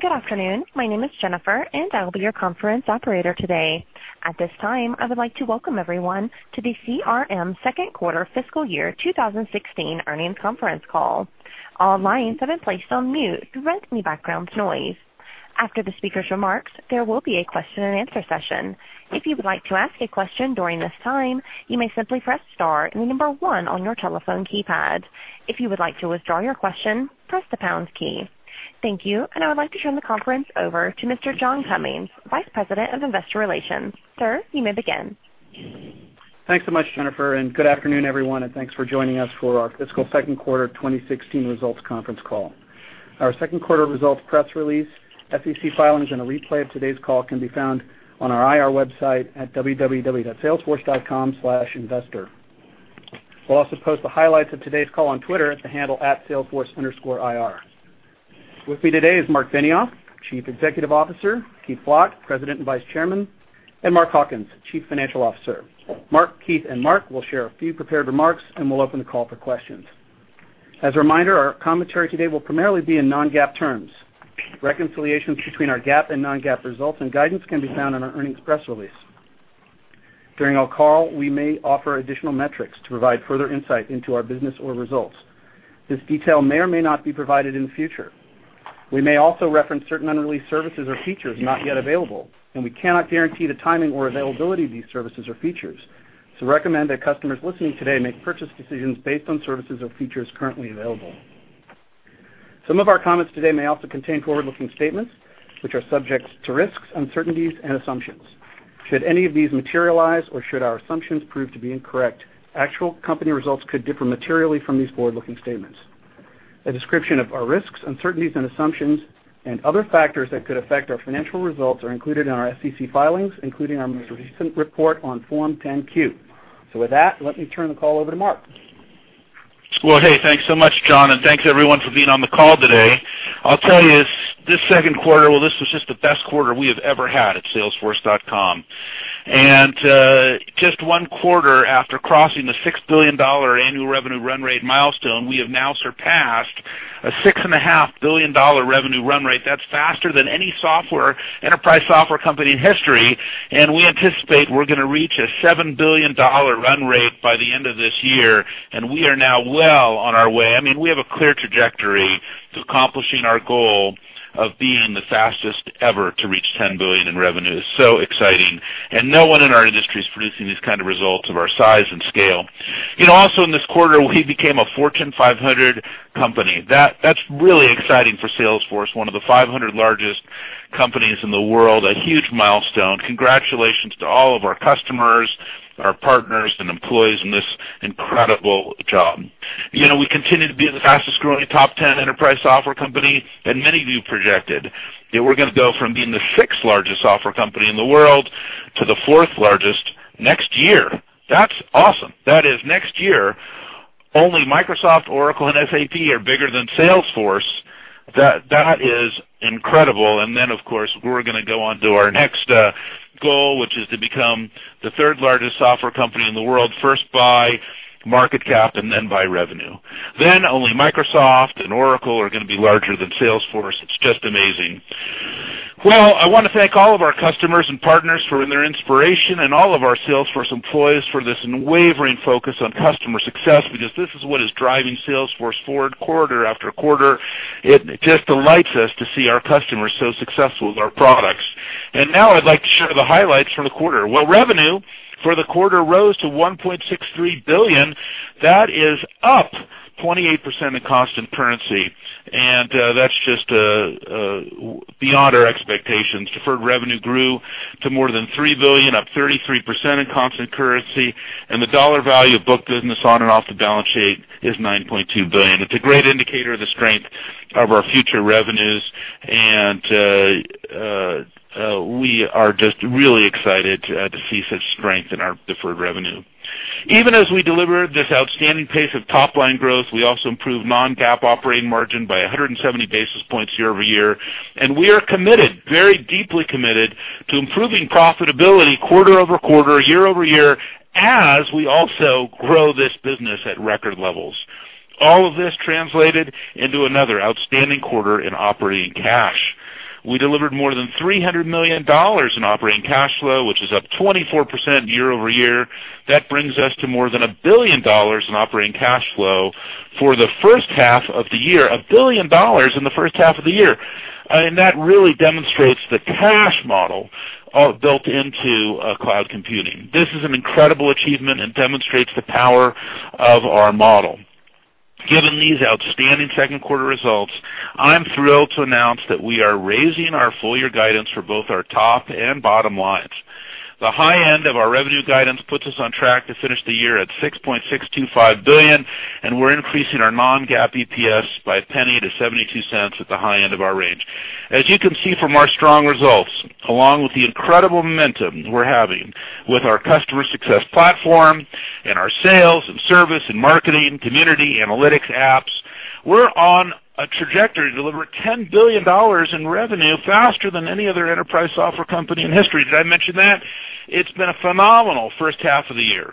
Good afternoon. My name is Jennifer, I will be your conference operator today. At this time, I would like to welcome everyone to the CRM second quarter fiscal year 2016 earnings conference call. All lines have been placed on mute to prevent any background noise. After the speaker's remarks, there will be a question-and-answer session. If you would like to ask a question during this time, you may simply press star and the number 1 on your telephone keypad. If you would like to withdraw your question, press the pound key. Thank you. I would like to turn the conference over to Mr. John Cummings, Vice President of Investor Relations. Sir, you may begin. Thanks so much, Jennifer. Good afternoon, everyone. Thanks for joining us for our fiscal second quarter 2016 results conference call. Our second quarter results press release, SEC filings, and a replay of today's call can be found on our IR website at www.salesforce.com/investor. We will also post the highlights of today's call on Twitter at the handle @Salesforce_IR. With me today is Marc Benioff, Chief Executive Officer, Keith Block, President and Vice Chairman, and Mark Hawkins, Chief Financial Officer. Marc, Keith, and Mark will share a few prepared remarks. We will open the call for questions. As a reminder, our commentary today will primarily be in non-GAAP terms. Reconciliations between our GAAP and non-GAAP results and guidance can be found in our earnings press release. During our call, we may offer additional metrics to provide further insight into our business or results. This detail may or may not be provided in the future. We may also reference certain unreleased services or features not yet available. We cannot guarantee the timing or availability of these services or features. We recommend that customers listening today make purchase decisions based on services or features currently available. Some of our comments today may also contain forward-looking statements, which are subject to risks, uncertainties, and assumptions. Should any of these materialize or should our assumptions prove to be incorrect, actual company results could differ materially from these forward-looking statements. A description of our risks, uncertainties, and assumptions and other factors that could affect our financial results are included in our SEC filings, including our most recent report on Form 10-Q. With that, let me turn the call over to Marc. Thanks so much, John. Thanks everyone for being on the call today. I will tell you, this second quarter, this was just the best quarter we have ever had at salesforce.com. Just one quarter after crossing the $6 billion annual revenue run rate milestone, we have now surpassed a $6.5 billion revenue run rate. That is faster than any enterprise software company in history. We anticipate we are going to reach a $7 billion run rate by the end of this year. We are now well on our way. We have a clear trajectory to accomplishing our goal of being the fastest ever to reach $10 billion in revenue. Exciting. No one in our industry is producing these kind of results of our size and scale. Also in this quarter, we became a Fortune 500 company. That's really exciting for Salesforce, one of the 500 largest companies in the world, a huge milestone. Congratulations to all of our customers, our partners, and employees in this incredible job. We continue to be the fastest-growing top 10 enterprise software company that many of you projected. We're going to go from being the 6th-largest software company in the world to the 4th largest next year. That's awesome. That is next year. Only Microsoft, Oracle, and SAP are bigger than Salesforce. That is incredible. Of course, we're going to go on to our next goal, which is to become the 3rd-largest software company in the world, first by market cap, and then by revenue. Only Microsoft and Oracle are going to be larger than Salesforce. It's just amazing. Well, I want to thank all of our customers and partners for their inspiration and all of our Salesforce employees for this unwavering focus on customer success, because this is what is driving Salesforce forward quarter after quarter. It just delights us to see our customers so successful with our products. Now I'd like to share the highlights from the quarter. Well, revenue for the quarter rose to $1.63 billion. That is up 28% in constant currency, and that's just beyond our expectations. Deferred revenue grew to more than $3 billion, up 33% in constant currency, and the dollar value of book business on and off the balance sheet is $9.2 billion. It's a great indicator of the strength of our future revenues. We are just really excited to see such strength in our deferred revenue. Even as we deliver this outstanding pace of top-line growth, we also improved non-GAAP operating margin by 170 basis points year-over-year. We are committed, very deeply committed, to improving profitability quarter-over-quarter, year-over-year, as we also grow this business at record levels. All of this translated into another outstanding quarter in operating cash. We delivered more than $300 million in operating cash flow, which is up 24% year-over-year. That brings us to more than $1 billion in operating cash flow for the first half of the year. $1 billion in the first half of the year. That really demonstrates the cash model built into cloud computing. This is an incredible achievement and demonstrates the power of our model. Given these outstanding 2nd quarter results, I'm thrilled to announce that we are raising our full year guidance for both our top and bottom lines. The high end of our revenue guidance puts us on track to finish the year at $6.625 billion. We're increasing our non-GAAP EPS by $0.01 to $0.72 at the high end of our range. As you can see from our strong results, along with the incredible momentum we're having with our Customer Success Platform and our Sales and Service and Marketing, community, analytics apps. We're on a trajectory to deliver $10 billion in revenue faster than any other enterprise software company in history. Did I mention that? It's been a phenomenal first half of the year.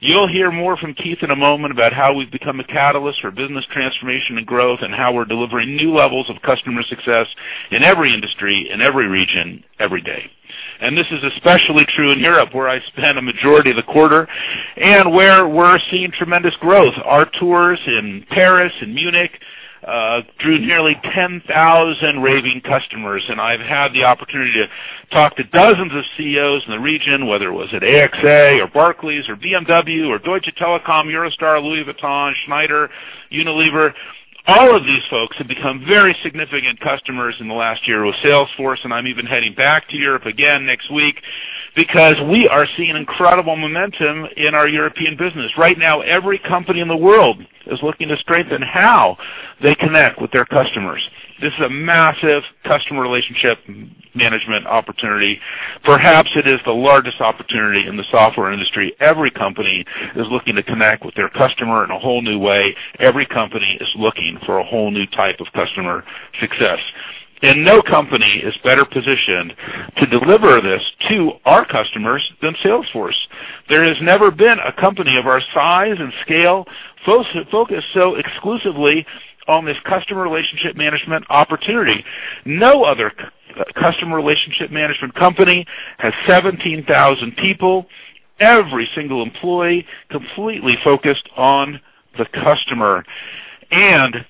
You'll hear more from Keith in a moment about how we've become a catalyst for business transformation and growth, how we're delivering new levels of customer success in every industry, in every region, every day. This is especially true in Europe, where I spent a majority of the quarter, where we're seeing tremendous growth. Our tours in Paris and Munich drew nearly 10,000 raving customers. I've had the opportunity to talk to dozens of CEOs in the region, whether it was at AXA or Barclays, or BMW, or Deutsche Telekom, Eurostar, Louis Vuitton, Schneider, Unilever. All of these folks have become very significant customers in the last year with Salesforce. I'm even heading back to Europe again next week because we are seeing incredible momentum in our European business. Right now, every company in the world is looking to strengthen how they connect with their customers. This is a massive customer relationship management opportunity. Perhaps it is the largest opportunity in the software industry. Every company is looking to connect with their customer in a whole new way. Every company is looking for a whole new type of customer success, and no company is better positioned to deliver this to our customers than Salesforce. There has never been a company of our size and scale focused so exclusively on this customer relationship management opportunity. No other customer relationship management company has 17,000 people, every single employee completely focused on the customer.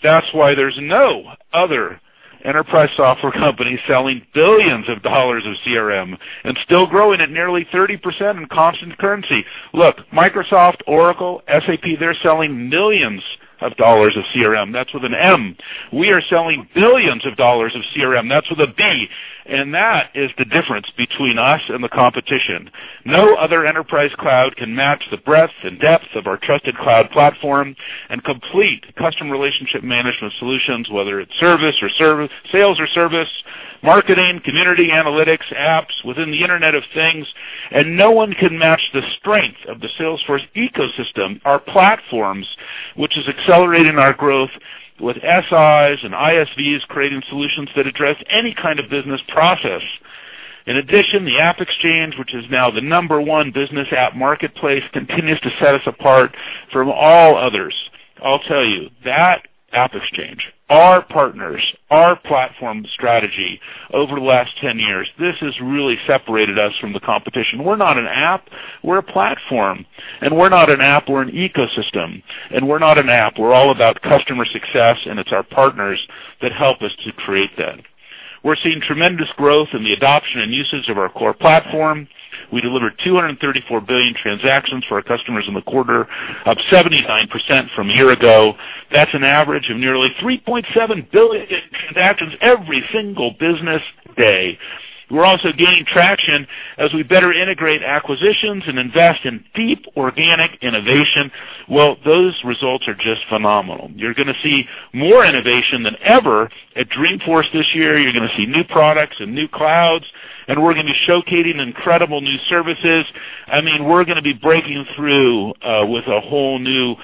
That's why there's no other enterprise software company selling $billions of CRM and still growing at nearly 30% in constant currency. Look, Microsoft, Oracle, SAP, they're selling $millions of CRM. That's with an M. We are selling $billions of CRM. That's with a B, and that is the difference between us and the competition. No other enterprise cloud can match the breadth and depth of our trusted cloud platform and complete customer relationship management solutions, whether it's service or sales or service, marketing, community analytics, apps within the Internet of Things, and no one can match the strength of the Salesforce ecosystem, our platforms, which is accelerating our growth with SIs and ISVs, creating solutions that address any kind of business process. In addition, the AppExchange, which is now the number 1 business app marketplace, continues to set us apart from all others. I'll tell you, that AppExchange, our partners, our platform strategy over the last 10 years, this has really separated us from the competition. We're not an app, we're a platform. We're not an app, we're an ecosystem. We're not an app, we're all about customer success. It's our partners that help us to create that. We're seeing tremendous growth in the adoption and usage of our core platform. We delivered 234 billion transactions for our customers in the quarter, up 79% from a year ago. That's an average of nearly 3.7 billion transactions every single business day. We're also gaining traction as we better integrate acquisitions and invest in deep organic innovation. Well, those results are just phenomenal. You're going to see more innovation than ever at Dreamforce this year. You're going to see new products and new clouds. We're going to be showcasing incredible new services. We're going to be breaking through with a whole new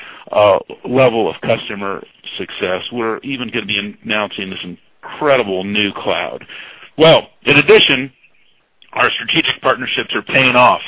level of customer success. We're even going to be announcing this incredible new cloud. In addition, our strategic partnerships are paying off.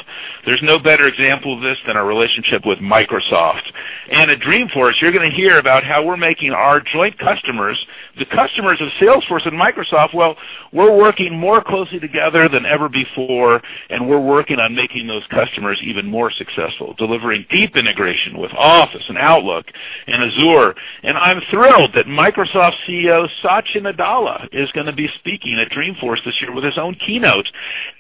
There's no better example of this than our relationship with Microsoft. At Dreamforce, you're going to hear about how we're making our joint customers, the customers of Salesforce and Microsoft, well, we're working more closely together than ever before, and we're working on making those customers even more successful, delivering deep integration with Office and Outlook and Azure. I'm thrilled that Microsoft CEO Satya Nadella is going to be speaking at Dreamforce this year with his own keynote,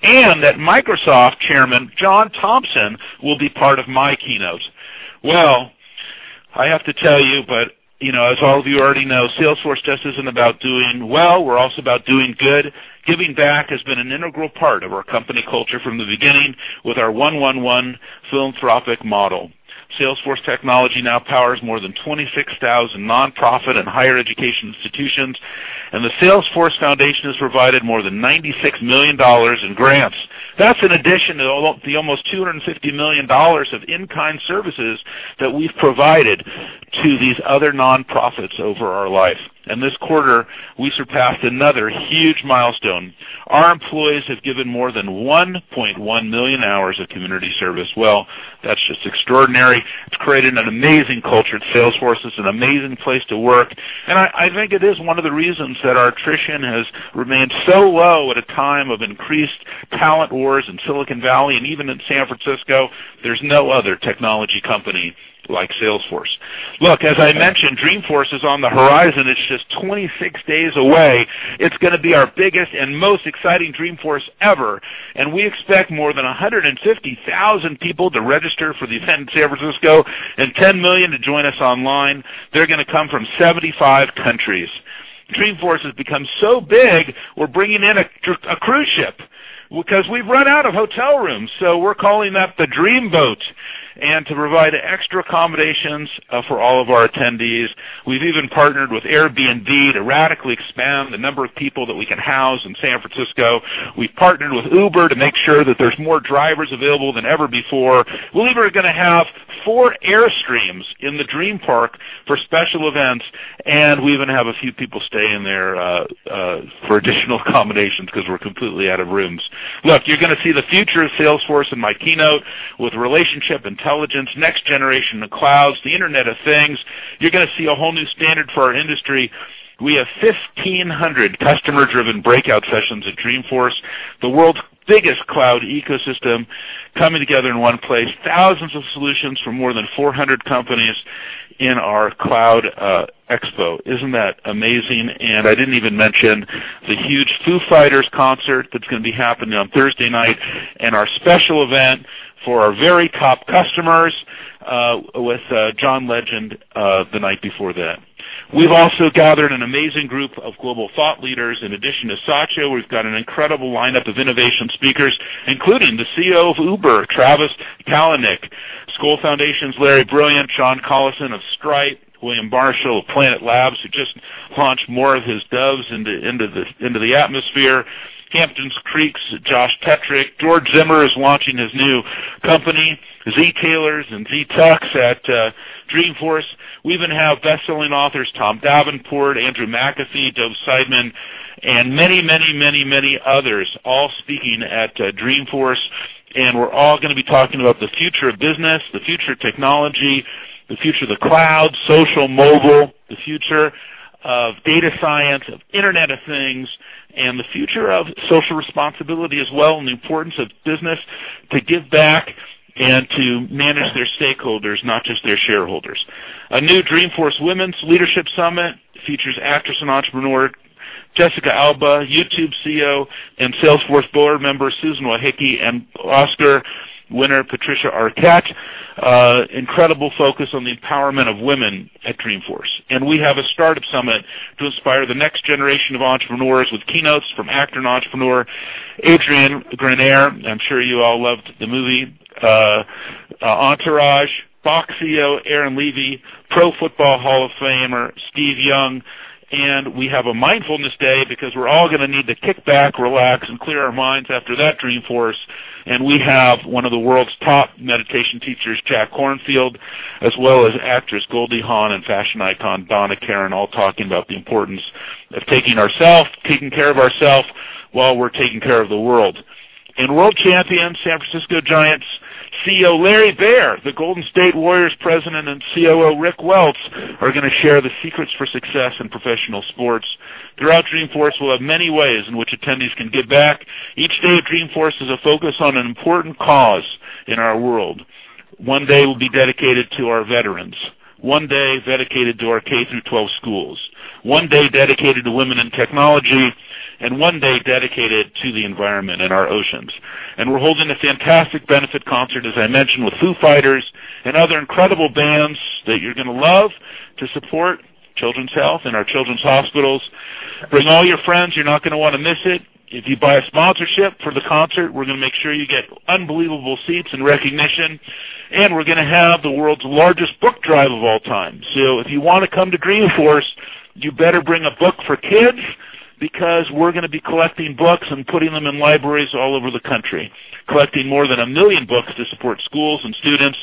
and that Microsoft Chairman John Thompson will be part of my keynote. I have to tell you, as all of you already know, Salesforce just isn't about doing well, we're also about doing good. Giving back has been an integral part of our company culture from the beginning with our 1-1-1 philanthropic model. Salesforce technology now powers more than 26,000 nonprofit and higher education institutions, and the Salesforce Foundation has provided more than $96 million in grants. That's an addition to the almost $250 million of in-kind services that we've provided to these other nonprofits over our life. This quarter, we surpassed another huge milestone. Our employees have given more than 1.1 million hours of community service. That's just extraordinary. It's created an amazing culture at Salesforce. It's an amazing place to work, and I think it is one of the reasons that our attrition has remained so low at a time of increased talent wars in Silicon Valley and even in San Francisco. There's no other technology company like Salesforce. As I mentioned, Dreamforce is on the horizon. It's just 26 days away. It's going to be our biggest and most exciting Dreamforce ever, and we expect more than 150,000 people to register for the event in San Francisco, and 10 million to join us online. They're going to come from 75 countries. Dreamforce has become so big, we're bringing in a cruise ship because we've run out of hotel rooms. We're calling that the Dream Boat. To provide extra accommodations for all of our attendees, we've even partnered with Airbnb to radically expand the number of people that we can house in San Francisco. We've partnered with Uber to make sure that there's more drivers available than ever before. Uber is going to have four Airstreams in the Dream Park for special events, and we even have a few people stay in there for additional accommodations because we're completely out of rooms. You're going to see the future of Salesforce in my keynote with relationship intelligence, next generation of clouds, the Internet of Things. You're going to see a whole new standard for our industry. We have 1,500 customer-driven breakout sessions at Dreamforce, the world's biggest cloud ecosystem coming together in one place. Thousands of solutions from more than 400 companies in our cloud expo. Isn't that amazing? I didn't even mention the huge Foo Fighters concert that's going to be happening on Thursday night, and our special event for our very top customers with John Legend the night before that. We've also gathered an amazing group of global thought leaders. In addition to Satya, we've got an incredible lineup of innovation speakers, including the CEO of Uber, Travis Kalanick, Skoll Foundation's Larry Brilliant, John Collison of Stripe, Will Marshall of Planet Labs, who just launched more of his Doves into the atmosphere. Hampton Creek's Josh Tetrick. George Zimmer is launching his new company, zTailors, and Z Talks at Dreamforce. We even have bestselling authors Tom Davenport, Andrew McAfee, Dov Seidman, and many others, all speaking at Dreamforce. We're all going to be talking about the future of business, the future of technology, the future of the cloud, social, mobile, the future of data science, of Internet of Things, and the future of social responsibility as well, and the importance of business to give back and to manage their stakeholders, not just their shareholders. A new Dreamforce Women's Leadership Summit features actress and entrepreneur Jessica Alba, YouTube CEO and Salesforce board member Susan Wojcicki, and Oscar winner Patricia Arquette. Incredible focus on the empowerment of women at Dreamforce. We have a startup summit to inspire the next generation of entrepreneurs with keynotes from actor and entrepreneur Adrian Grenier. I'm sure you all loved the movie, Entourage. Box CEO Aaron Levie, Pro Football Hall of Famer Steve Young. We have a mindfulness day because we're all going to need to kick back, relax, and clear our minds after that Dreamforce. We have one of the world's top meditation teachers, Jack Kornfield, as well as actress Goldie Hawn, and fashion icon Donna Karan, all talking about the importance of taking care of ourself while we're taking care of the world. World champion San Francisco Giants CEO Larry Baer, the Golden State Warriors president and COO Rick Welts, are going to share the secrets for success in professional sports. Throughout Dreamforce, we'll have many ways in which attendees can give back. Each day of Dreamforce is a focus on an important cause in our world. One day will be dedicated to our veterans, one day dedicated to our K through 12 schools, one day dedicated to women in technology, and one day dedicated to the environment and our oceans. We're holding a fantastic benefit concert, as I mentioned, with Foo Fighters and other incredible bands that you're going to love to support children's health and our children's hospitals. Bring all your friends. You're not going to want to miss it. If you buy a sponsorship for the concert, we're going to make sure you get unbelievable seats and recognition. We're going to have the world's largest book drive of all time. If you want to come to Dreamforce, you better bring a book for kids because we're going to be collecting books and putting them in libraries all over the country, collecting more than 1 million books to support schools and students.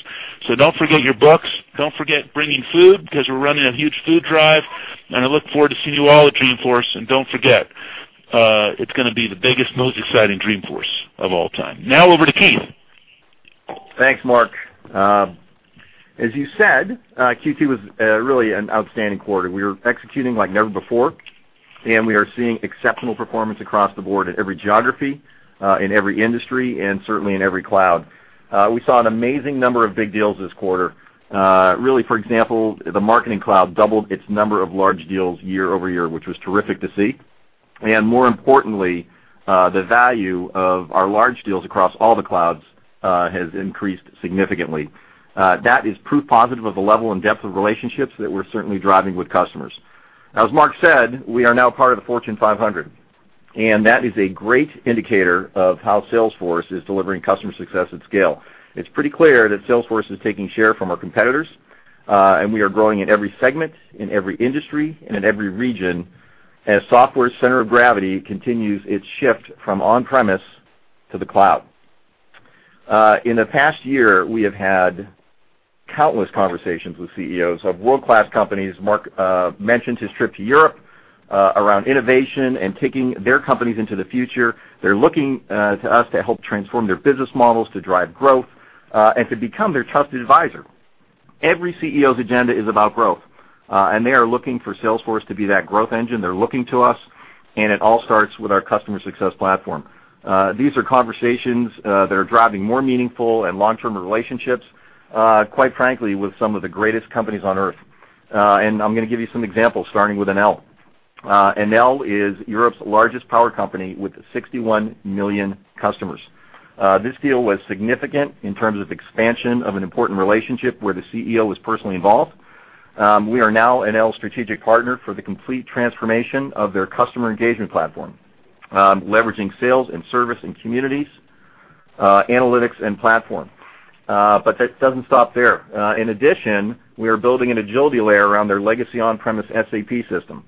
Don't forget your books, don't forget bringing food because we're running a huge food drive, and I look forward to seeing you all at Dreamforce. Don't forget, it's going to be the biggest, most exciting Dreamforce of all time. Now over to Keith. Thanks, Mark. As you said, Q2 was really an outstanding quarter. We are executing like never before. We are seeing exceptional performance across the board in every geography, in every industry, and certainly in every cloud. We saw an amazing number of big deals this quarter. For example, the Marketing Cloud doubled its number of large deals year-over-year, which was terrific to see. More importantly, the value of our large deals across all the clouds has increased significantly. That is proof positive of the level and depth of relationships that we're certainly driving with customers. As Mark said, we are now part of the Fortune 500. That is a great indicator of how Salesforce is delivering customer success at scale. It's pretty clear that Salesforce is taking share from our competitors. We are growing in every segment, in every industry, and in every region as software center of gravity continues its shift from on-premise to the cloud. In the past year, we have had countless conversations with CEOs of world-class companies. Mark mentioned his trip to Europe around innovation and taking their companies into the future. They're looking to us to help transform their business models, to drive growth, and to become their trusted advisor. Every CEO's agenda is about growth. They are looking for Salesforce to be that growth engine. They're looking to us. It all starts with our Customer Success Platform. These are conversations that are driving more meaningful and long-term relationships, quite frankly, with some of the greatest companies on Earth. I'm going to give you some examples, starting with Enel. Enel is Europe's largest power company with 61 million customers. This deal was significant in terms of expansion of an important relationship where the CEO was personally involved. We are now Enel's strategic partner for the complete transformation of their customer engagement platform, leveraging sales and service in communities, analytics, and platform. That doesn't stop there. In addition, we are building an agility layer around their legacy on-premise SAP system.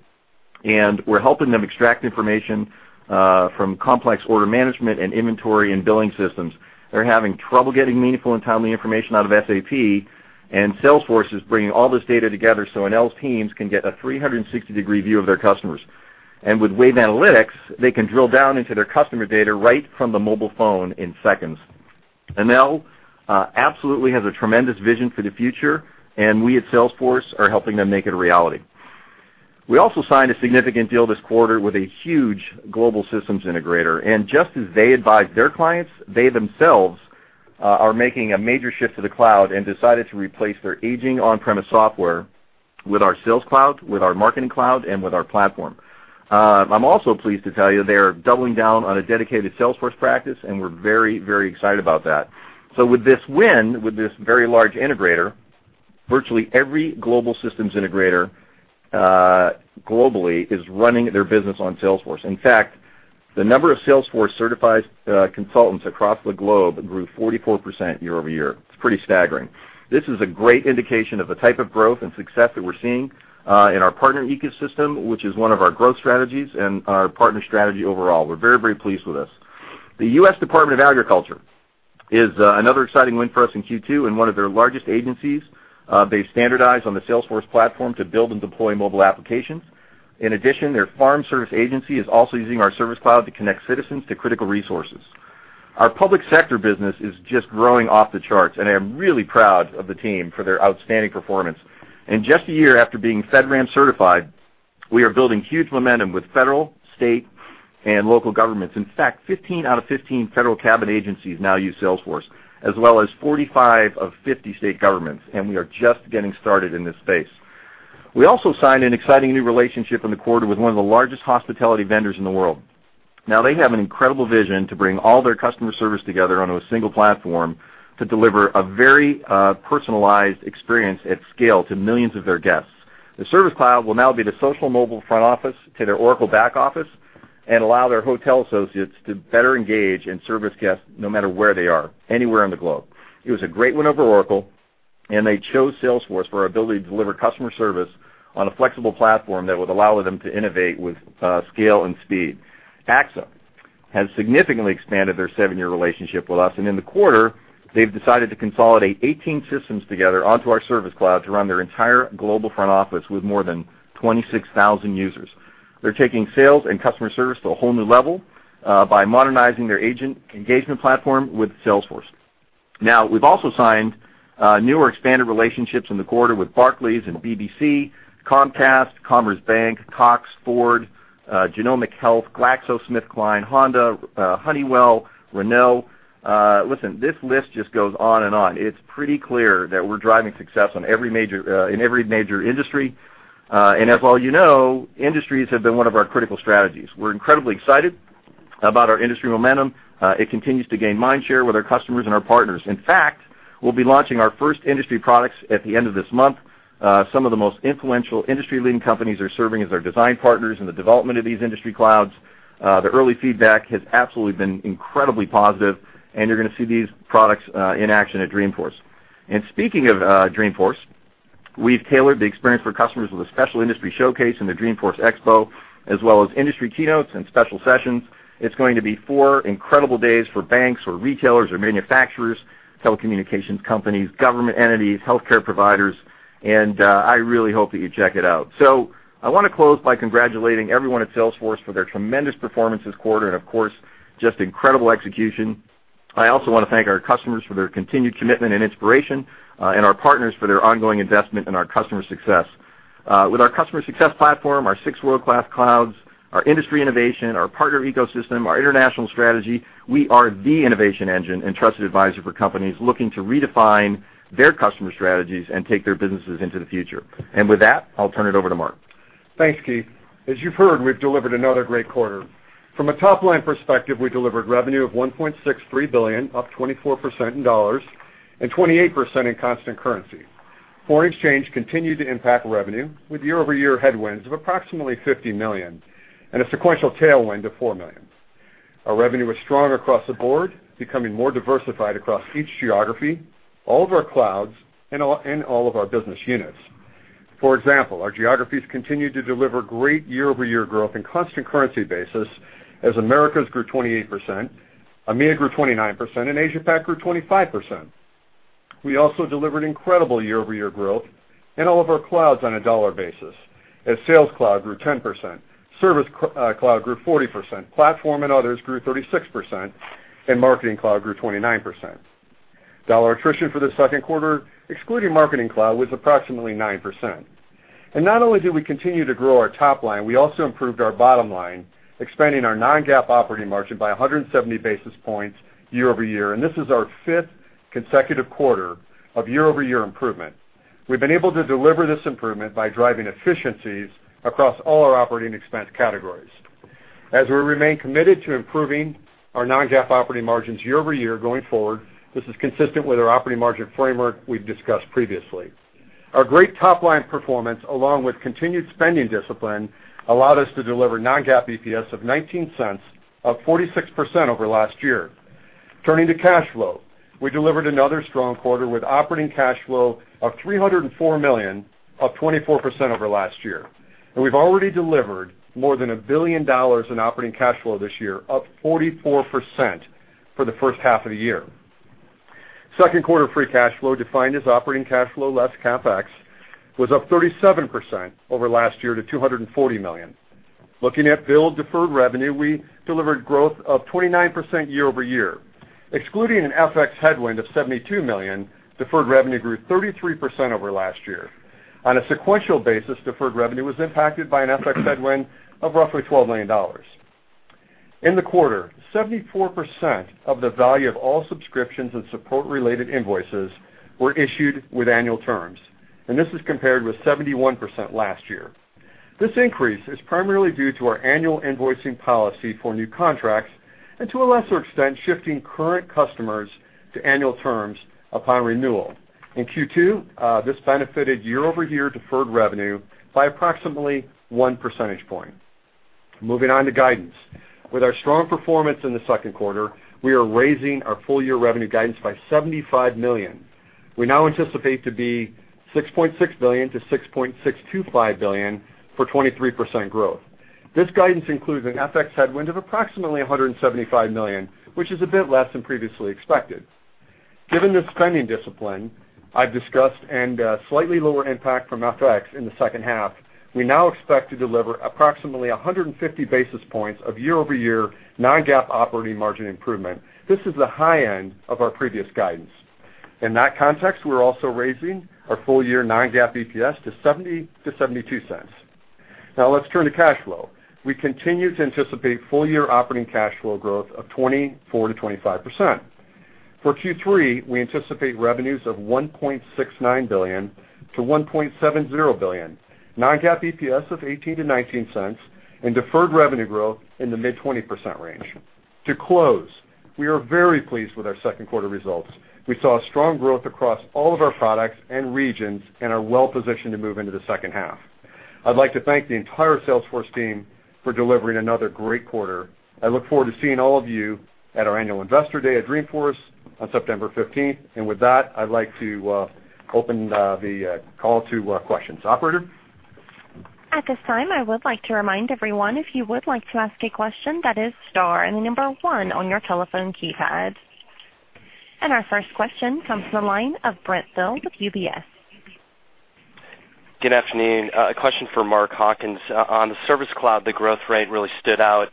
We're helping them extract information from complex order management and inventory and billing systems. They're having trouble getting meaningful and timely information out of SAP. Salesforce is bringing all this data together so Enel's teams can get a 360-degree view of their customers. With Wave Analytics, they can drill down into their customer data right from the mobile phone in seconds. Enel absolutely has a tremendous vision for the future. We at Salesforce are helping them make it a reality. We also signed a significant deal this quarter with a huge global systems integrator. Just as they advise their clients, they themselves are making a major shift to the cloud and decided to replace their aging on-premise software with our Sales Cloud, with our Marketing Cloud, and with our platform. I'm also pleased to tell you they are doubling down on a dedicated Salesforce practice. We're very excited about that. With this win, with this very large integrator, virtually every global systems integrator, globally, is running their business on Salesforce. In fact, the number of Salesforce-certified consultants across the globe grew 44% year-over-year. It's pretty staggering. This is a great indication of the type of growth and success that we're seeing in our partner ecosystem, which is one of our growth strategies and our partner strategy overall. We're very pleased with this. The U.S. Department of Agriculture is another exciting win for us in Q2. In one of their largest agencies, they have standardized on the Salesforce platform to build and deploy mobile applications. In addition, their farm service agency is also using our Service Cloud to connect citizens to critical resources. Our public sector business is just growing off the charts, and I am really proud of the team for their outstanding performance. In just a year after being FedRAMP certified, we are building huge momentum with federal, state, and local governments. In fact, 15 out of 15 federal cabinet agencies now use Salesforce, as well as 45 of 50 state governments, and we are just getting started in this space. We also signed an exciting new relationship in the quarter with one of the largest hospitality vendors in the world. Now, they have an incredible vision to bring all their customer service together onto a single platform to deliver a very personalized experience at scale to millions of their guests. The Service Cloud will now be the social mobile front office to their Oracle back office and allow their hotel associates to better engage and service guests no matter where they are, anywhere in the globe. It was a great win over Oracle, and they chose Salesforce for our ability to deliver customer service on a flexible platform that would allow them to innovate with scale and speed. AXA has significantly expanded their 7-year relationship with us, and in the quarter, they have decided to consolidate 18 systems together onto our Service Cloud to run their entire global front office with more than 26,000 users. They are taking sales and customer service to a whole new level by modernizing their agent engagement platform with Salesforce. Now, we have also signed newer expanded relationships in the quarter with Barclays, BBC, Comcast, Commerce Bank, Cox, Ford, Genomic Health, GlaxoSmithKline, Honda, Honeywell, Renault. Listen, this list just goes on and on. It is pretty clear that we are driving success in every major industry. As we all know, industries have been one of our critical strategies. We are incredibly excited about our industry momentum. It continues to gain mind share with our customers and our partners. In fact, we will be launching our first industry products at the end of this month. Some of the most influential industry-leading companies are serving as our design partners in the development of these industry clouds. The early feedback has absolutely been incredibly positive, and you are going to see these products in action at Dreamforce. Speaking of Dreamforce, we have tailored the experience for customers with a special industry showcase in the Dreamforce Expo, as well as industry keynotes and special sessions. It is going to be 4 incredible days for banks or retailers or manufacturers, telecommunications companies, government entities, healthcare providers, and I really hope that you check it out. I want to close by congratulating everyone at Salesforce for their tremendous performance this quarter and, of course, just incredible execution. I also want to thank our customers for their continued commitment and inspiration, and our partners for their ongoing investment in our customer success. With our Customer Success Platform, our 6 world-class clouds, our industry innovation, our partner ecosystem, our international strategy, we are the innovation engine and trusted advisor for companies looking to redefine their customer strategies and take their businesses into the future. I'll turn it over to Mark. Thanks, Keith. As you've heard, we've delivered another great quarter. From a top-line perspective, we delivered revenue of $1.63 billion, up 24% in dollars and 28% in constant currency. Foreign exchange continued to impact revenue with year-over-year headwinds of approximately $50 million and a sequential tailwind of $4 million. Our revenue was strong across the board, becoming more diversified across each geography, all of our clouds, and all of our business units. For example, our geographies continued to deliver great year-over-year growth in constant currency basis, as Americas grew 28%, EMEA grew 29%, and Asia Pac grew 25%. We also delivered incredible year-over-year growth in all of our clouds on a dollar basis, as Sales Cloud grew 10%, Service Cloud grew 40%, Platform and Others grew 36%, and Marketing Cloud grew 29%. Dollar attrition for the second quarter, excluding Marketing Cloud, was approximately 9%. Not only did we continue to grow our top line, we also improved our bottom line, expanding our non-GAAP operating margin by 170 basis points year-over-year, and this is our fifth consecutive quarter of year-over-year improvement. We've been able to deliver this improvement by driving efficiencies across all our operating expense categories. As we remain committed to improving our non-GAAP operating margins year-over-year going forward, this is consistent with our operating margin framework we've discussed previously. Our great top-line performance, along with continued spending discipline, allowed us to deliver non-GAAP EPS of $0.19, up 46% over last year. Turning to cash flow. We delivered another strong quarter with operating cash flow of $304 million, up 24% over last year. We've already delivered more than $1 billion in operating cash flow this year, up 44% for the first half of the year. Second quarter free cash flow defined as operating cash flow less CapEx, was up 37% over last year to $240 million. Looking at billed deferred revenue, we delivered growth of 29% year-over-year. Excluding an FX headwind of $72 million, deferred revenue grew 33% over last year. On a sequential basis, deferred revenue was impacted by an FX headwind of roughly $12 million. In the quarter, 74% of the value of all subscriptions and support related invoices were issued with annual terms, and this is compared with 71% last year. This increase is primarily due to our annual invoicing policy for new contracts, and to a lesser extent, shifting current customers to annual terms upon renewal. In Q2, this benefited year-over-year deferred revenue by approximately one percentage point. Moving on to guidance. With our strong performance in the second quarter, we are raising our full year revenue guidance by $75 million. We now anticipate to be $6.6 billion-$6.625 billion for 23% growth. This guidance includes an FX headwind of approximately $175 million, which is a bit less than previously expected. Given the spending discipline I've discussed and slightly lower impact from FX in the second half, we now expect to deliver approximately 150 basis points of year-over-year non-GAAP operating margin improvement. This is the high end of our previous guidance. In that context, we're also raising our full year non-GAAP EPS to $0.70-$0.72. Let's turn to cash flow. We continue to anticipate full year operating cash flow growth of 24%-25%. For Q3, we anticipate revenues of $1.69 billion-$1.70 billion, non-GAAP EPS of $0.18-$0.19, and deferred revenue growth in the mid-20% range. To close, we are very pleased with our second quarter results. We saw strong growth across all of our products and regions and are well positioned to move into the second half. I'd like to thank the entire Salesforce team for delivering another great quarter. I look forward to seeing all of you at our annual investor day at Dreamforce on September 15th. With that, I'd like to open the call to questions. Operator? At this time, I would like to remind everyone, if you would like to ask a question, that is star and the number one on your telephone keypad. Our first question comes from the line of Brent Thill with UBS. Good afternoon. A question for Mark Hawkins. On the Service Cloud, the growth rate really stood out,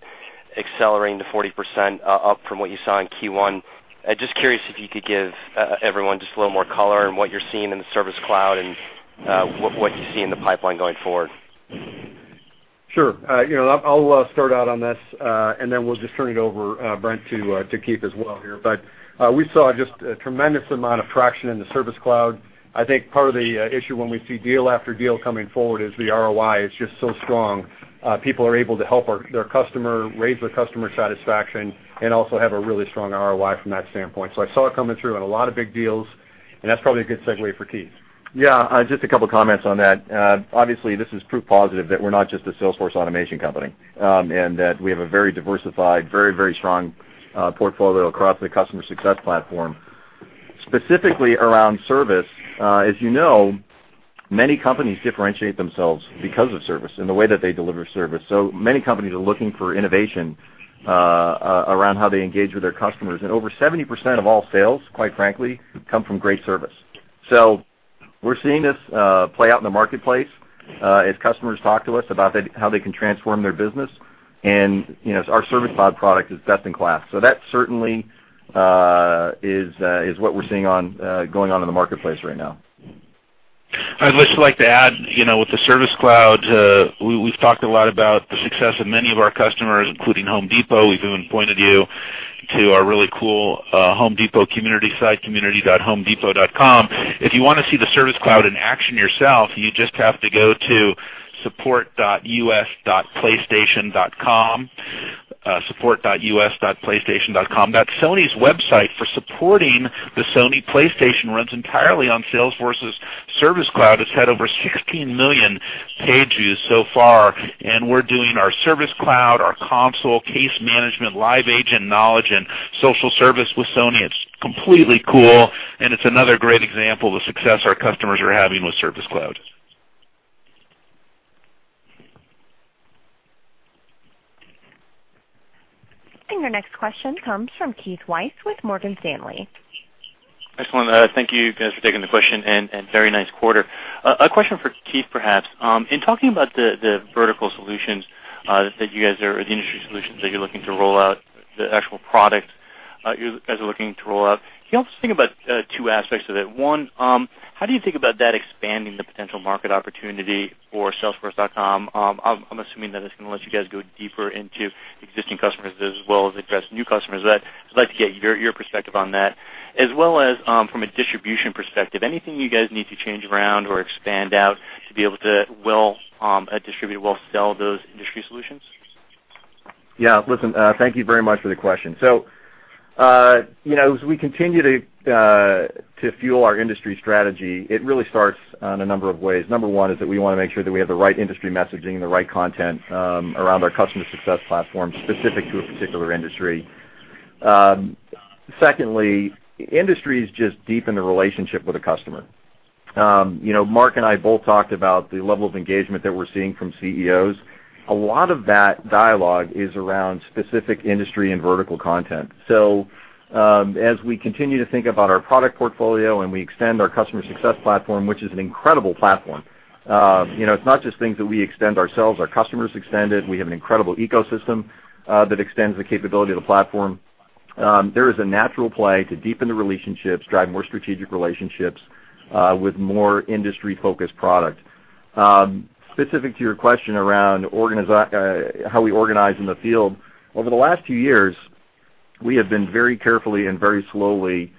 accelerating to 40% up from what you saw in Q1. Just curious if you could give everyone just a little more color on what you're seeing in the Service Cloud and what you see in the pipeline going forward. Sure. Then we'll just turn it over, Brent, to Keith as well here. We saw just a tremendous amount of traction in the Service Cloud. I think part of the issue when we see deal after deal coming forward is the ROI is just so strong. People are able to help their customer, raise their customer satisfaction, and also have a really strong ROI from that standpoint. I saw it coming through in a lot of big deals, and that's probably a good segue for Keith. Yeah, just a couple comments on that. Obviously, this is proof positive that we're not just a Salesforce automation company, and that we have a very diversified, very strong portfolio across the Customer Success Platform. Specifically around service, as you know, many companies differentiate themselves because of service and the way that they deliver service. Many companies are looking for innovation around how they engage with their customers, and over 70% of all sales, quite frankly, come from great service. We're seeing this play out in the marketplace as customers talk to us about how they can transform their business. Our Service Cloud product is best in class. That certainly is what we're seeing going on in the marketplace right now. I'd just like to add, with the Service Cloud, we've talked a lot about the success of many of our customers, including Home Depot. We've even pointed you to our really cool Home Depot community site, community.homedepot.com. If you want to see the Service Cloud in action yourself, you just have to go to support.us.playstation.com. That's Sony's website for supporting the Sony PlayStation, runs entirely on Salesforce's Service Cloud. It's had over 16 million page views so far, and we're doing our Service Cloud, our console, case management, live agent knowledge, and social service with Sony. It's completely cool, it's another great example of the success our customers are having with Service Cloud. Your next question comes from Keith Weiss with Morgan Stanley. I just want to thank you guys for taking the question, and very nice quarter. A question for Keith, perhaps. In talking about the vertical solutions that you guys are, the industry solutions that you're looking to roll out, the actual product you guys are looking to roll out. Can you help us think about two aspects of it? One, how do you think about that expanding the potential market opportunity for salesforce.com? I'm assuming that it's going to let you guys go deeper into existing customers as well as address new customers. I'd like to get your perspective on that, as well as from a distribution perspective. Anything you guys need to change around or expand out to be able to well distribute, well sell those industry solutions? Yeah. Listen, thank you very much for the question. As we continue to fuel our industry strategy, it really starts in a number of ways. Number one is that we want to make sure that we have the right industry messaging and the right content around our Customer Success Platform specific to a particular industry. Secondly, industry is just deep in the relationship with the customer. Mark and I both talked about the level of engagement that we're seeing from CEOs. A lot of that dialogue is around specific industry and vertical content. As we continue to think about our product portfolio, and we extend our Customer Success Platform, which is an incredible platform. It's not just things that we extend ourselves, our customers extend it. We have an incredible ecosystem that extends the capability of the platform. There is a natural play to deepen the relationships, drive more strategic relationships, with more industry-focused product. Specific to your question around how we organize in the field, over the last few years, we have been very carefully and very slowly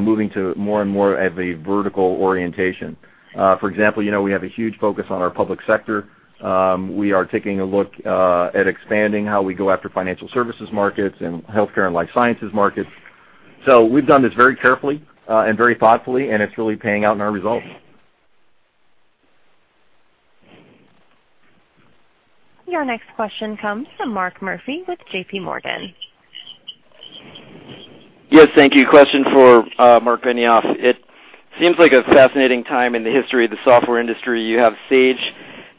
moving to more and more as a vertical orientation. For example, we have a huge focus on our public sector. We are taking a look at expanding how we go after financial services markets and healthcare and life sciences markets. We've done this very carefully and very thoughtfully, and it's really paying out in our results. Your next question comes from Mark Murphy with JPMorgan. Yes, thank you. Question for Marc Benioff. It seems like a fascinating time in the history of the software industry. You have Sage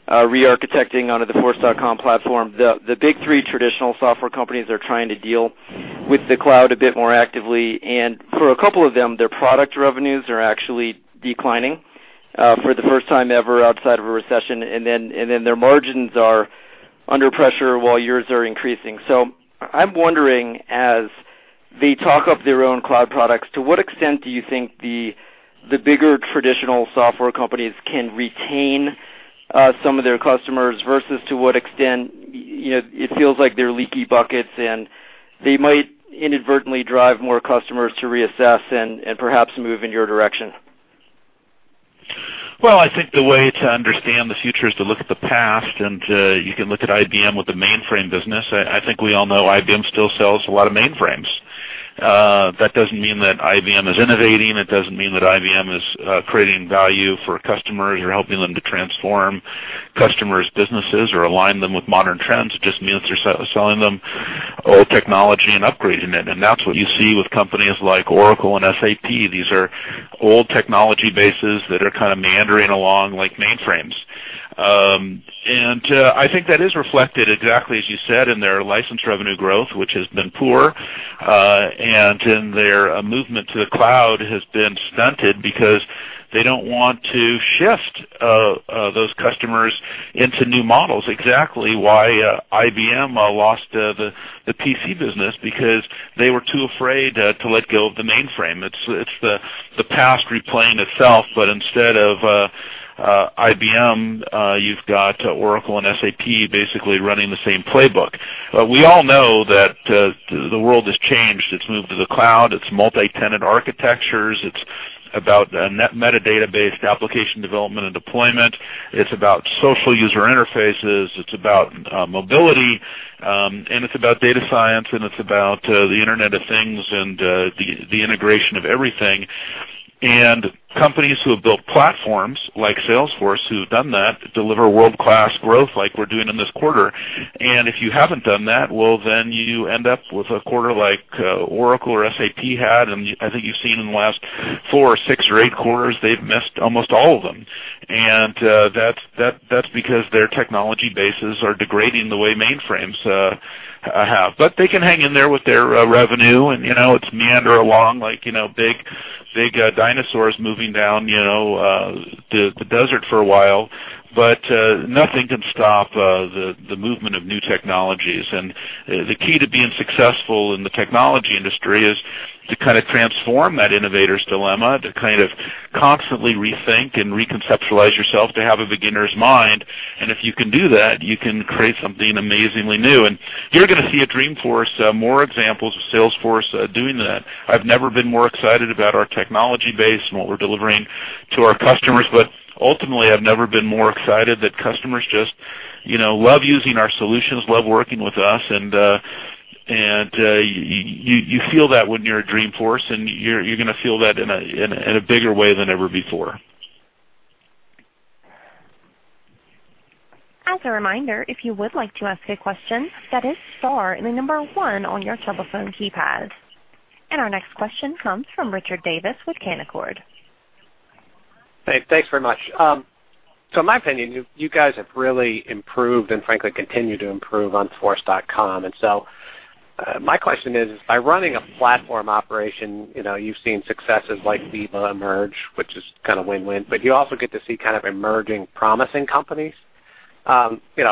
re-architecting onto the Force.com platform. The big three traditional software companies are trying to deal with the cloud a bit more actively, their product revenues are actually declining for the first time ever outside of a recession. Their margins are under pressure while yours are increasing. I'm wondering, as they talk up their own cloud products, to what extent do you think the bigger traditional software companies can retain some of their customers versus to what extent it feels like they're leaky buckets, and they might inadvertently drive more customers to reassess and perhaps move in your direction? Well, I think the way to understand the future is to look at the past. You can look at IBM with the mainframe business. I think we all know IBM still sells a lot of mainframes. That doesn't mean that IBM is innovating. It doesn't mean that IBM is creating value for a customer or helping them to transform customers' businesses or align them with modern trends. It just means they're selling them old technology and upgrading it. That's what you see with companies like Oracle and SAP. These are old technology bases that are kind of meandering along like mainframes. I think that is reflected exactly as you said, in their license revenue growth, which has been poor, and in their movement to the cloud has been stunted because they don't want to shift those customers into new models. Exactly why IBM lost the PC business because they were too afraid to let go of the mainframe. It's the past replaying itself, instead of IBM, you've got Oracle and SAP basically running the same playbook. We all know that the world has changed. It's moved to the cloud, it's multi-tenant architectures. It's about metadata-based application development and deployment. It's about social user interfaces. It's about mobility, and it's about data science, and it's about the Internet of Things and the integration of everything. Companies who have built platforms like Salesforce who've done that deliver world-class growth like we're doing in this quarter. If you haven't done that, well, you end up with a quarter like Oracle or SAP had. I think you've seen in the last four or six or eight quarters, they've missed almost all of them. That's because their technology bases are degrading the way mainframes have. They can hang in there with their revenue, and it'll meander along like big dinosaurs moving down the desert for a while. Nothing can stop the movement of new technologies. The key to being successful in the technology industry is to kind of transform that innovator's dilemma, to kind of constantly rethink and reconceptualize yourself, to have a beginner's mind. If you can do that, you can create something amazingly new. You're going to see at Dreamforce more examples of Salesforce doing that. I've never been more excited about our technology base and what we're delivering to our customers. Ultimately, I've never been more excited that customers just love using our solutions, love working with us, and you feel that when you're at Dreamforce, and you're going to feel that in a bigger way than ever before. As a reminder, if you would like to ask a question, that is star and the number 1 on your telephone keypad. Our next question comes from Richard Davis with Canaccord. Hey, thanks very much. In my opinion, you guys have really improved and frankly continue to improve on Force.com. My question is, by running a platform operation, you've seen successes like Veeva emerge, which is kind of win-win, but you also get to see kind of emerging promising companies. Could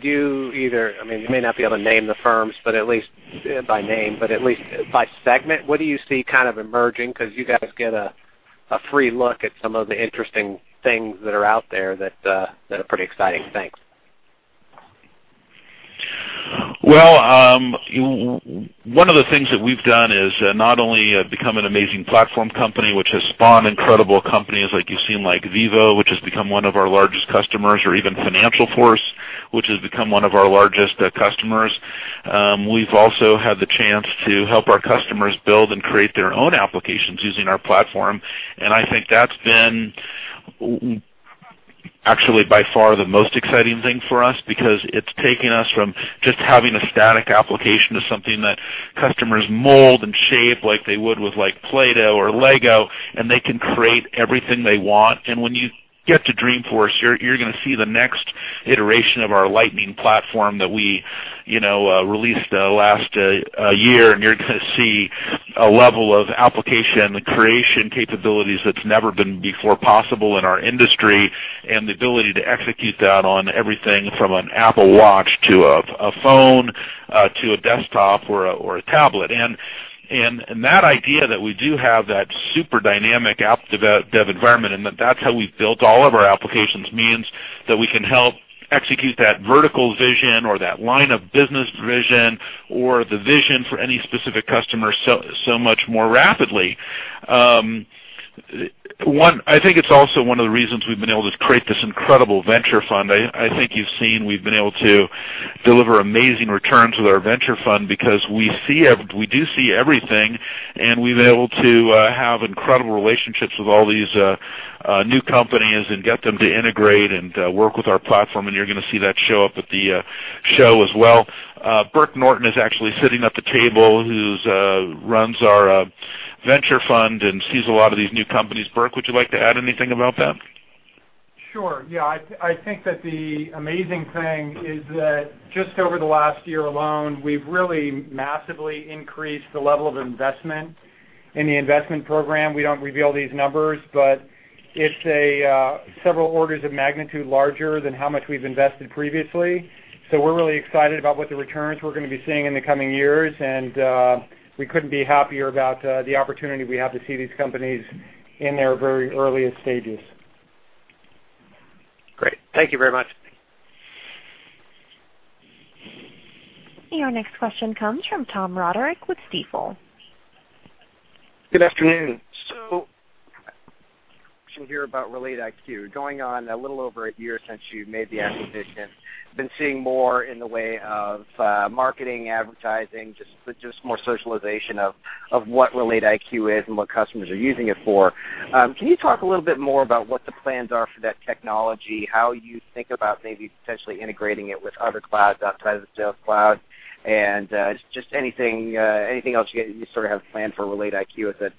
you may not be able to name the firms, but at least by name, but at least by segment, what do you see kind of emerging? You guys get a free look at some of the interesting things that are out there that are pretty exciting. Thanks. Well, one of the things that we've done is not only become an amazing platform company, which has spawned incredible companies like you've seen, like Veeva, which has become one of our largest customers, or even FinancialForce, which has become one of our largest customers. We've also had the chance to help our customers build and create their own applications using our platform. Actually, by far the most exciting thing for us, because it's taking us from just having a static application to something that customers mold and shape like they would with Play-Doh or Lego, and they can create everything they want. When you get to Dreamforce, you're going to see the next iteration of our Lightning platform that we released last year, you're going to see a level of application creation capabilities that's never been before possible in our industry, and the ability to execute that on everything from an Apple Watch to a phone, to a desktop or a tablet. That idea that we do have that super dynamic app dev environment, and that's how we've built all of our applications, means that we can help execute that vertical vision or that line of business vision or the vision for any specific customer so much more rapidly. I think it's also one of the reasons we've been able to create this incredible venture fund. I think you've seen we've been able to deliver amazing returns with our venture fund because we do see everything, and we've been able to have incredible relationships with all these new companies and get them to integrate and work with our platform, and you're going to see that show up at the show as well. Burke Norton is actually sitting at the table who runs our venture fund and sees a lot of these new companies. Burke, would you like to add anything about that? Sure. Yeah. I think that the amazing thing is that just over the last year alone, we've really massively increased the level of investment in the investment program. We don't reveal these numbers, but it's several orders of magnitude larger than how much we've invested previously. We're really excited about what the returns we're going to be seeing in the coming years, and we couldn't be happier about the opportunity we have to see these companies in their very earliest stages. Great. Thank you very much. Your next question comes from Thomas Roderick with Stifel. Good afternoon. Hear about RelateIQ going on a little over one year since you made the acquisition, been seeing more in the way of marketing, advertising, just more socialization of what RelateIQ is and what customers are using it for. Can you talk a little bit more about what the plans are for that technology, how you think about maybe potentially integrating it with other clouds outside of the Sales Cloud, and just anything else you sort of have planned for RelateIQ as it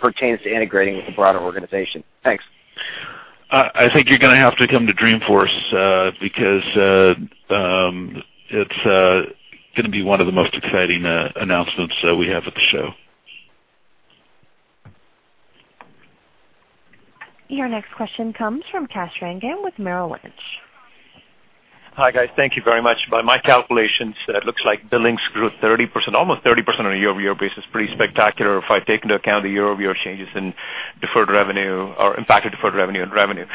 pertains to integrating with the broader organization? Thanks. I think you're going to have to come to Dreamforce, because it's going to be one of the most exciting announcements that we have at the show. Your next question comes from Kash Rangan with Merrill Lynch. Hi, guys. Thank you very much. By my calculations, it looks like billings grew almost 30% on a year-over-year basis. Pretty spectacular if I take into account the year-over-year changes in deferred revenue or impacted deferred revenue and revenue.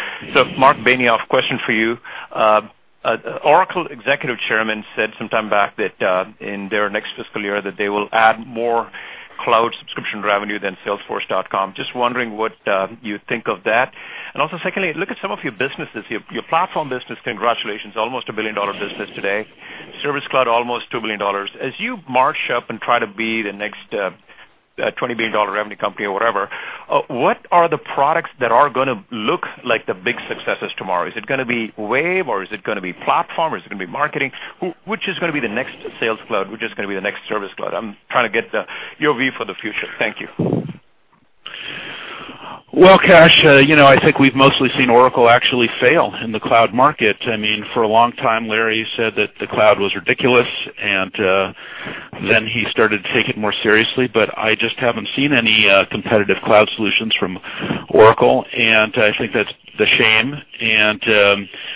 Marc Benioff, question for you. Oracle Executive Chairman said some time back that in their next fiscal year that they will add more cloud subscription revenue than salesforce.com. Just wondering what you think of that. Secondly, look at some of your businesses, your Platform business, congratulations, almost a billion-dollar business today. Service Cloud, almost $2 billion. As you march up and try to be the next $20 billion revenue company or whatever, what are the products that are going to look like the big successes tomorrow? Is it going to be Wave or is it going to be Platform? Is it going to be Marketing? Which is going to be the next Sales Cloud? Which is going to be the next Service Cloud? I'm trying to get your view for the future. Thank you. Well, Kash, I think we've mostly seen Oracle actually fail in the cloud market. For a long time, Larry said that the cloud was ridiculous, then he started to take it more seriously, but I just haven't seen any competitive cloud solutions from Oracle, and I think that's the shame.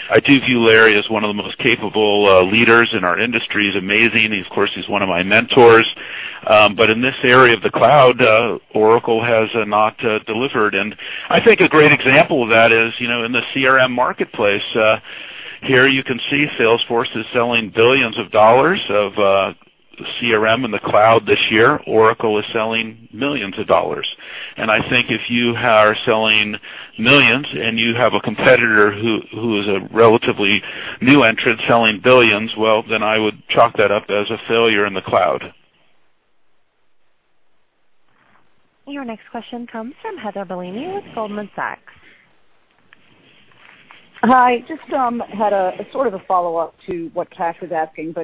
I do view Larry as one of the most capable leaders in our industry. He's amazing. Of course, he's one of my mentors. In this area of the cloud, Oracle has not delivered. I think a great example of that is in the CRM marketplace. Here you can see Salesforce is selling billions of dollars of CRM in the cloud this year. Oracle is selling millions of dollars. I think if you are selling $ millions and you have a competitor who is a relatively new entrant selling $ billions, well, I would chalk that up as a failure in the cloud. Your next question comes from Heather Bellini with Goldman Sachs. Hi. Just had a sort of a follow-up to what Kash was asking,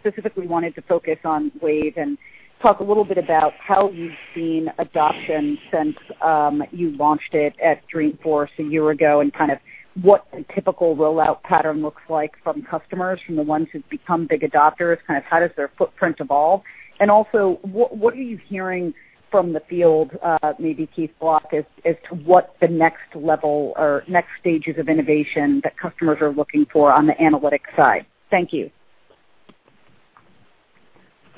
specifically wanted to focus on Wave and talk a little bit about how you've seen adoption since you launched it at Dreamforce a year ago and kind of what the typical rollout pattern looks like from customers, from the ones who've become big adopters, kind of how does their footprint evolve? Also, what are you hearing from the field, maybe Keith Block, as to what the next level or next stages of innovation that customers are looking for on the analytics side? Thank you.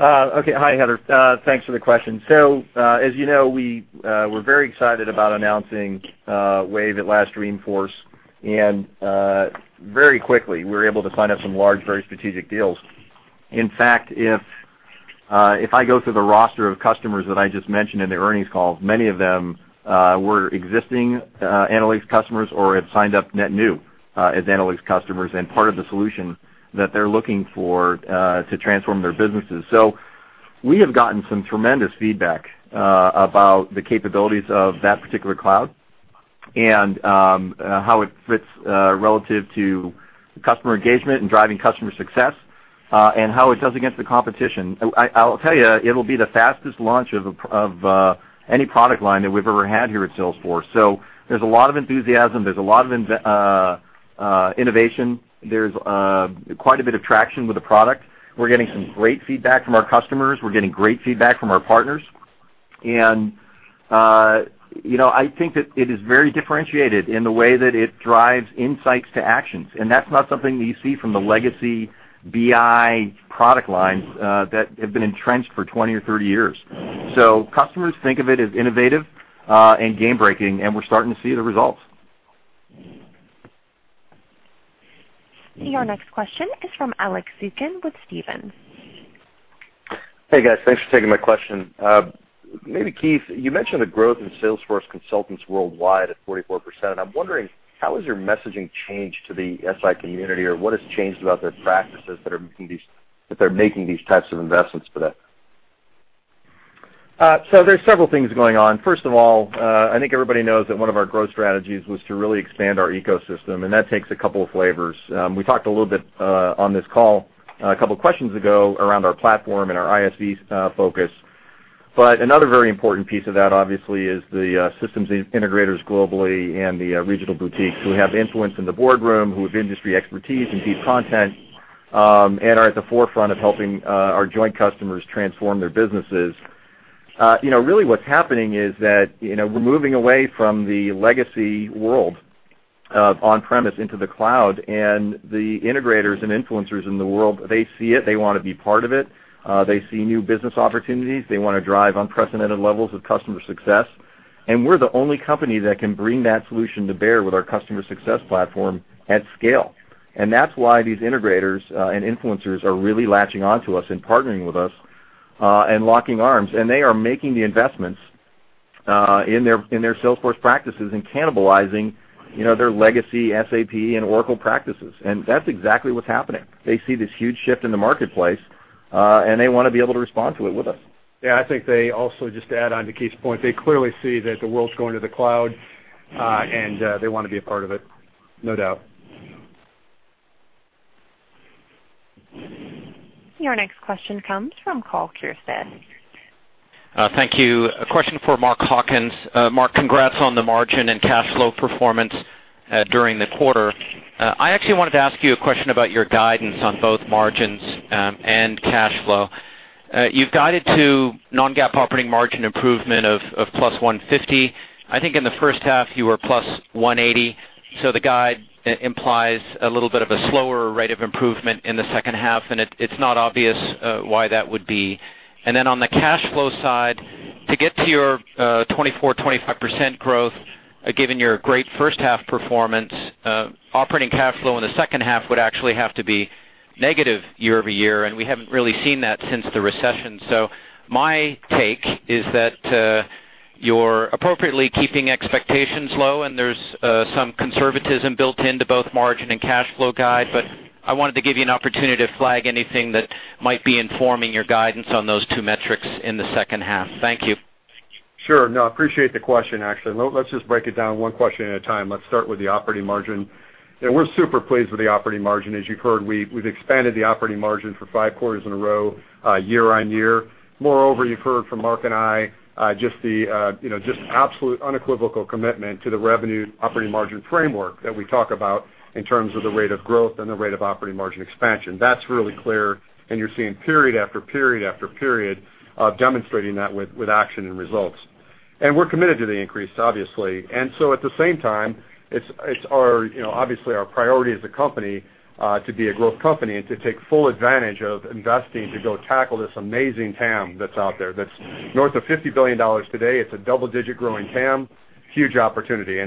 Okay. Hi, Heather. Thanks for the question. As you know, we were very excited about announcing Wave at last Dreamforce. Very quickly, we were able to sign up some large, very strategic deals. In fact, if I go through the roster of customers that I just mentioned in the earnings call, many of them were existing Analytics customers or had signed up net new as Analytics customers, and part of the solution that they're looking for to transform their businesses. We have gotten some tremendous feedback about the capabilities of that particular cloud, and how it fits relative to customer engagement and driving customer success, and how it does against the competition. I'll tell you, it'll be the fastest launch of any product line that we've ever had here at Salesforce. There's a lot of enthusiasm, there's a lot of innovation, there's quite a bit of traction with the product. We're getting some great feedback from our customers. We're getting great feedback from our partners. I think that it is very differentiated in the way that it drives insights to actions. That's not something that you see from the legacy BI product lines that have been entrenched for 20 or 30 years. Customers think of it as innovative and game-breaking, and we're starting to see the results. Your next question is from Alex Zukin with Stephens. Hey, guys. Thanks for taking my question. Maybe Keith, you mentioned the growth in Salesforce consultants worldwide at 44%, I'm wondering, how has your messaging changed to the SI community, or what has changed about their practices that they're making these types of investments today? There's several things going on. First of all, I think everybody knows that one of our growth strategies was to really expand our ecosystem, that takes a couple of flavors. We talked a little bit on this call a couple of questions ago around our platform and our ISV focus. Another very important piece of that, obviously, is the systems integrators globally and the regional boutiques who have influence in the boardroom, who have industry expertise and deep content, are at the forefront of helping our joint customers transform their businesses. Really what's happening is that we're moving away from the legacy world of on-premise into the cloud, the integrators and influencers in the world, they see it, they want to be part of it. They see new business opportunities. They want to drive unprecedented levels of customer success. We're the only company that can bring that solution to bear with our Customer Success Platform at scale. That's why these integrators and influencers are really latching onto us and partnering with us, and locking arms. They are making the investments in their Salesforce practices and cannibalizing their legacy SAP and Oracle practices. That's exactly what's happening. They see this huge shift in the marketplace, and they want to be able to respond to it with us. Yeah, I think they also, just to add on to Keith's point, they clearly see that the world's going to the cloud, and they want to be a part of it, no doubt. Your next question comes from Karl Keirstead. Thank you. A question for Mark Hawkins. Mark, congrats on the margin and cash flow performance during the quarter. I actually wanted to ask you a question about your guidance on both margins and cash flow. You've guided to non-GAAP operating margin improvement of +150. I think in the first half you were +180. The guide implies a little bit of a slower rate of improvement in the second half, and it's not obvious why that would be. Then on the cash flow side, to get to your 24%, 25% growth, given your great first half performance, operating cash flow in the second half would actually have to be negative year-over-year, and we haven't really seen that since the recession. My take is that you're appropriately keeping expectations low, and there's some conservatism built into both margin and cash flow guide. I wanted to give you an opportunity to flag anything that might be informing your guidance on those two metrics in the second half. Thank you. Sure. Appreciate the question, actually. Let's just break it down one question at a time. Let's start with the operating margin. We're super pleased with the operating margin. As you've heard, we've expanded the operating margin for five quarters in a row, year-over-year. Moreover, you've heard from Mark and I, just the absolute unequivocal commitment to the revenue operating margin framework that we talk about in terms of the rate of growth and the rate of operating margin expansion. That's really clear, and you're seeing period after period after period demonstrating that with action and results. We're committed to the increase, obviously. At the same time, it's obviously our priority as a company to be a growth company and to take full advantage of investing to go tackle this amazing TAM that's out there, that's north of $50 billion today. It's a double-digit growing TAM, huge opportunity.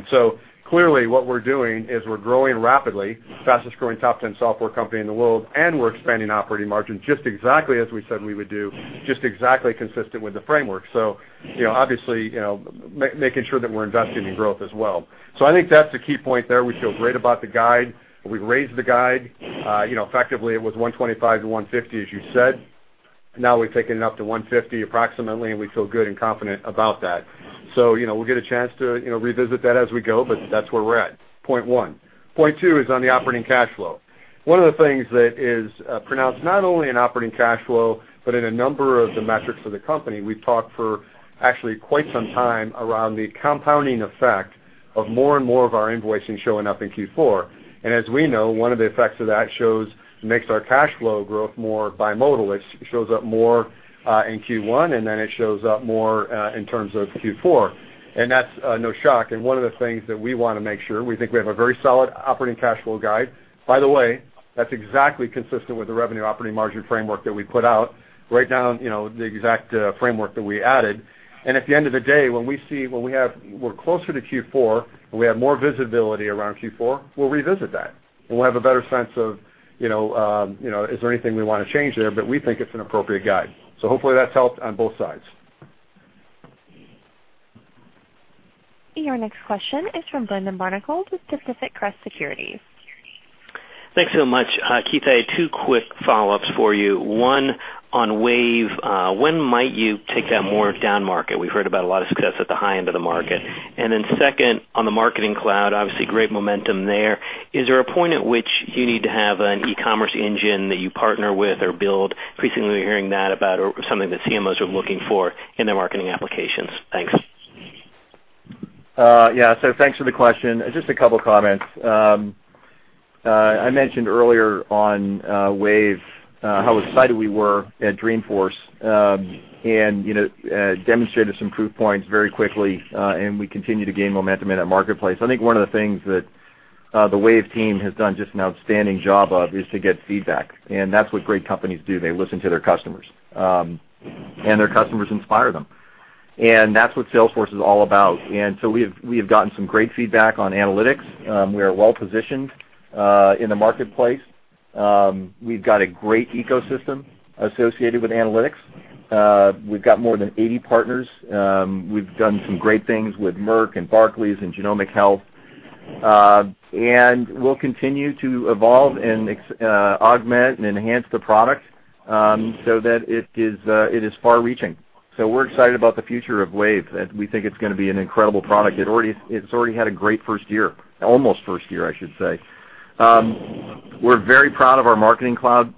Clearly what we're doing is we're growing rapidly, fastest growing top 10 software company in the world. We're expanding operating margin just exactly as we said we would do, just exactly consistent with the framework. Obviously, making sure that we're investing in growth as well. I think that's the key point there. We feel great about the guide. We've raised the guide. Effectively, it was 125 to 150, as you said. Now we've taken it up to 150 approximately, and we feel good and confident about that. We'll get a chance to revisit that as we go, but that's where we're at, point one. Point two is on the operating cash flow. One of the things that is pronounced not only in operating cash flow but in a number of the metrics for the company, we've talked for actually quite some time around the compounding effect of more and more of our invoicing showing up in Q4. As we know, one of the effects of that makes our cash flow growth more bimodal. It shows up more in Q1, and then it shows up more in terms of Q4. That's no shock. One of the things that we want to make sure, we think we have a very solid operating cash flow guide. By the way, that's exactly consistent with the revenue operating margin framework that we put out. Right down the exact framework that we added. At the end of the day, when we're closer to Q4 and we have more visibility around Q4, we'll revisit that, and we'll have a better sense of, is there anything we want to change there? We think it's an appropriate guide. Hopefully that's helped on both sides. Your next question is from Brendan Barnicle with Pacific Crest Securities. Thanks so much. Keith, I have two quick follow-ups for you. One on Wave. When might you take that more down market? We've heard about a lot of success at the high end of the market. Then second, on the Marketing Cloud, obviously, great momentum there. Is there a point at which you need to have an e-commerce engine that you partner with or build? Recently, we're hearing that about something that CMOs are looking for in their marketing applications. Thanks. Yeah. Thanks for the question. Just a couple of comments. I mentioned earlier on Wave, how excited we were at Dreamforce, and demonstrated some proof points very quickly, and we continue to gain momentum in that marketplace. I think one of the things that the Wave team has done just an outstanding job of is to get feedback, and that's what great companies do. They listen to their customers, and their customers inspire them, and that's what Salesforce is all about. We have gotten some great feedback on analytics. We are well-positioned in the marketplace. We've got a great ecosystem associated with analytics. We've got more than 80 partners. We've done some great things with Merck and Barclays and Genomic Health. We'll continue to evolve and augment and enhance the product, so that it is far-reaching. We're excited about the future of Wave. We think it's going to be an incredible product. It's already had a great first year. Almost first year, I should say. We're very proud of our Marketing Cloud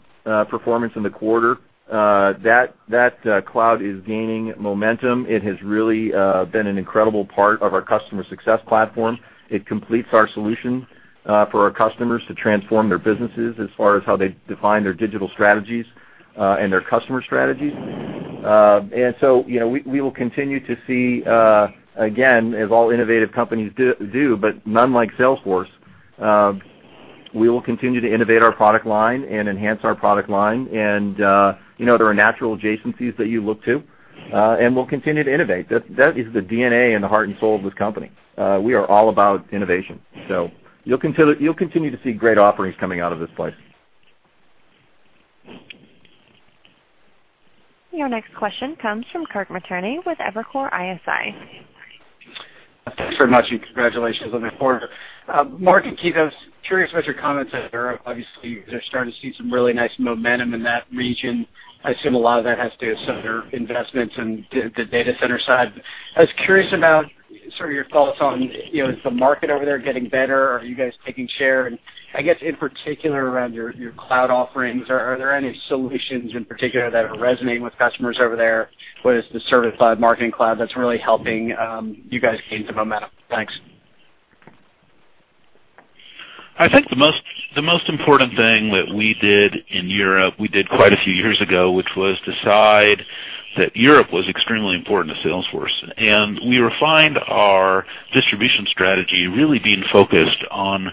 performance in the quarter. That cloud is gaining momentum. It has really been an incredible part of our Customer Success Platform. It completes our solution for our customers to transform their businesses as far as how they define their digital strategies, and their customer strategies. We will continue to see, again, as all innovative companies do, but none like Salesforce, we will continue to innovate our product line and enhance our product line. There are natural adjacencies that you look to, and we'll continue to innovate. That is the DNA and the heart and soul of this company. We are all about innovation. You'll continue to see great offerings coming out of this place. Your next question comes from Kirk Materne with Evercore ISI. Thanks very much, and congratulations on the quarter. Marc and Keith, I was curious about your comments on Europe. Obviously, you're starting to see some really nice momentum in that region. I assume a lot of that has to do with some of your investments in the data center side. I was curious about your thoughts on, is the market over there getting better? Are you guys taking share? I guess in particular, around your cloud offerings, are there any solutions in particular that are resonating with customers over there? Whether it's the Service Cloud, Marketing Cloud, that's really helping you guys gain some momentum. Thanks. I think the most important thing that we did in Europe, we did quite a few years ago, which was decide that Europe was extremely important to Salesforce, and we refined our distribution strategy, really being focused on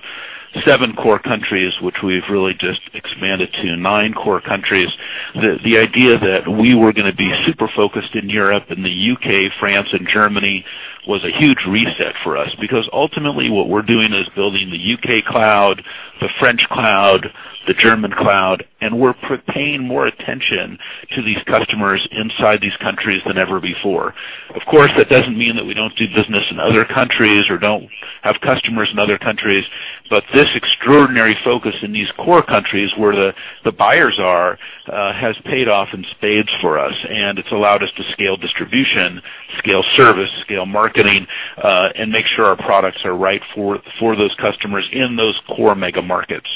seven core countries, which we've really just expanded to nine core countries. The idea that we were going to be super focused in Europe and the U.K., France, and Germany was a huge reset for us, because ultimately what we're doing is building the U.K. cloud, the French cloud, the German cloud, and we're paying more attention to these customers inside these countries than ever before. Of course, that doesn't mean that we don't do business in other countries or don't have customers in other countries. This extraordinary focus in these core countries where the buyers are, has paid off in spades for us. It's allowed us to scale distribution, scale service, scale marketing, and make sure our products are right for those customers in those core mega markets.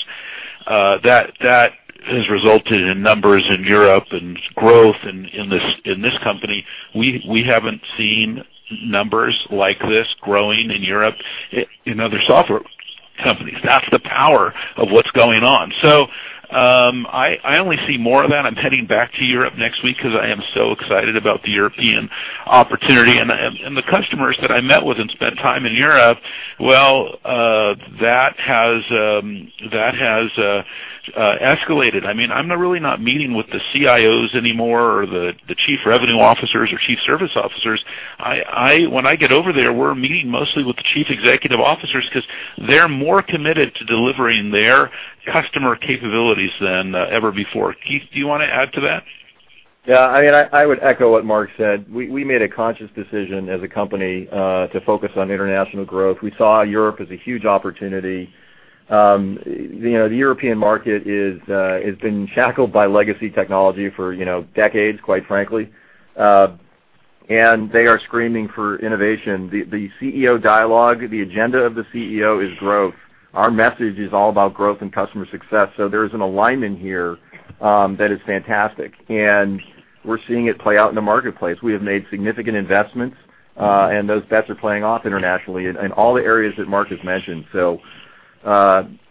That has resulted in numbers in Europe and growth in this company. We haven't seen numbers like this growing in Europe in other software companies. That's the power of what's going on. I only see more of that. I'm heading back to Europe next week because I am so excited about the European opportunity, and the customers that I met with and spent time in Europe, well, that has escalated. I'm really not meeting with the CIOs anymore or the chief revenue officers or chief service officers. When I get over there, we're meeting mostly with the chief executive officers because they're more committed to delivering their customer capabilities than ever before. Keith, do you want to add to that? I would echo what Marc said. We made a conscious decision as a company, to focus on international growth. We saw Europe as a huge opportunity. The European market, it's been shackled by legacy technology for decades, quite frankly. They are screaming for innovation. The CEO dialogue, the agenda of the CEO is growth. Our message is all about growth and customer success. There's an alignment here that is fantastic, and we're seeing it play out in the marketplace. We have made significant investments, and those bets are playing off internationally in all the areas that Marc has mentioned.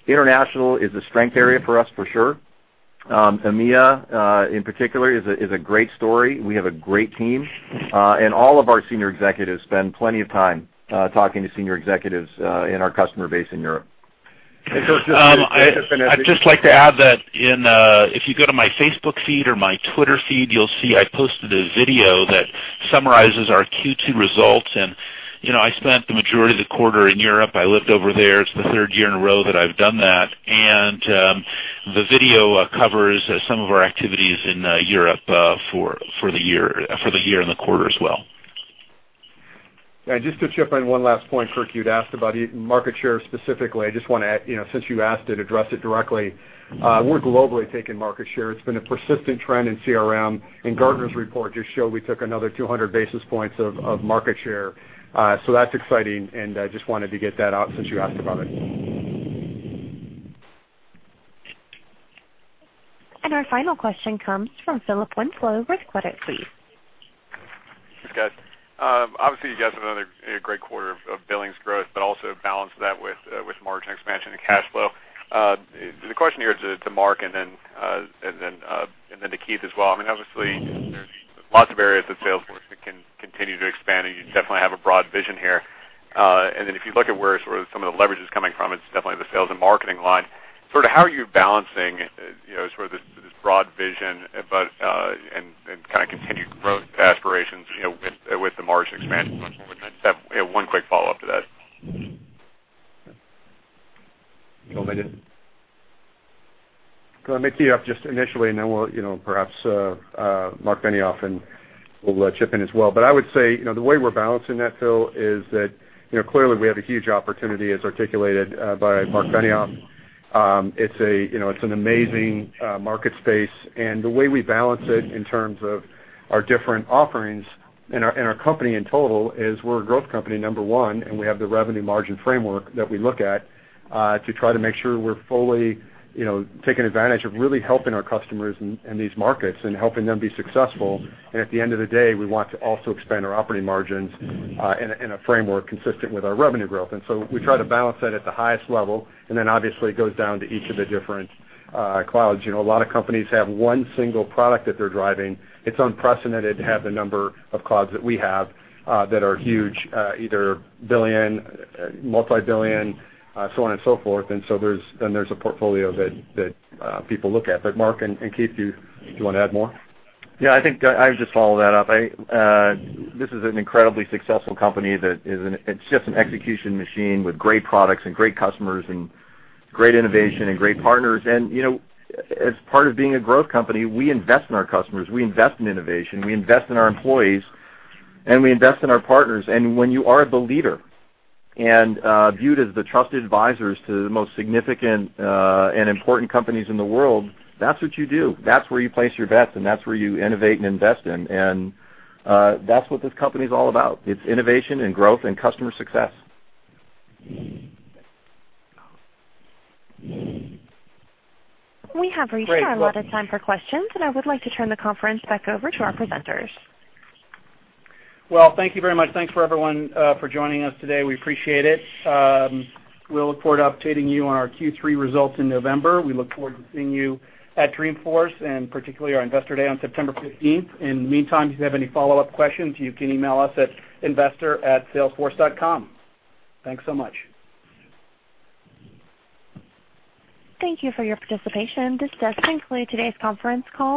International is a strength area for us, for sure. EMEA, in particular, is a great story. We have a great team. All of our senior executives spend plenty of time talking to senior executives in our customer base in Europe. I'd just like to add that if you go to my Facebook feed or my Twitter feed, you'll see I posted a video that summarizes our Q2 results. I spent the majority of the quarter in Europe. I lived over there. It's the third year in a row that I've done that. The video covers some of our activities in Europe, for the year and the quarter as well. Just to chip in one last point, Kirk, you'd asked about market share specifically. I just want to, since you asked it, address it directly. We're globally taking market share. It's been a persistent trend in CRM. Gartner's report just showed we took another 200 basis points of market share. That's exciting. I just wanted to get that out since you asked about it. Our final question comes from Philip Winslow with Credit Suisse. Thanks, guys. Obviously you guys have another great quarter of billings growth, also balanced that with margin expansion and cash flow. The question here is to Marc, to Keith as well. Obviously there's lots of areas of Salesforce that can continue to expand, you definitely have a broad vision here. If you look at where some of the leverage is coming from, it's definitely the sales and marketing line. How are you balancing this broad vision, and continued growth aspirations, with the margin expansion question? With that, I have one quick follow-up to that. Let me tee up just initially, perhaps Marc Benioff will chip in as well. I would say, the way we're balancing that, Phil, is that clearly we have a huge opportunity, as articulated by Marc Benioff. It's an amazing market space, the way we balance it in terms of our different offerings and our company in total, is we're a growth company, number one, we have the revenue margin framework that we look at, to try to make sure we're fully taking advantage of really helping our customers in these markets, and helping them be successful. At the end of the day, we want to also expand our operating margins in a framework consistent with our revenue growth. We try to balance that at the highest level, obviously it goes down to each of the different clouds. A lot of companies have one single product that they're driving. It's unprecedented to have the number of clouds that we have that are huge, either billion, multi-billion, so on and so forth. There's a portfolio that people look at. Marc and Keith, do you want to add more? Yeah, I think I would just follow that up. This is an incredibly successful company that is just an execution machine with great products and great customers and great innovation and great partners. As part of being a growth company, we invest in our customers, we invest in innovation, we invest in our employees, and we invest in our partners. When you are the leader and viewed as the trusted advisors to the most significant and important companies in the world, that's what you do. That's where you place your bets, and that's where you innovate and invest in. That's what this company's all about. It's innovation and growth and customer success. We have reached our allotted time for questions, and I would like to turn the conference back over to our presenters. Well, thank you very much. Thanks for everyone for joining us today. We appreciate it. We look forward to updating you on our Q3 results in November. We look forward to seeing you at Dreamforce, and particularly our Investor Day on September 15th. In the meantime, if you have any follow-up questions, you can email us at investor@salesforce.com. Thanks so much. Thank you for your participation. This does conclude today's conference call.